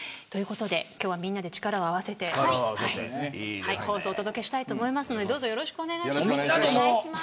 ということで今日はみんなで力を合わせて放送をお届けしたいと思いますのでどうぞ、よろしくお願いします。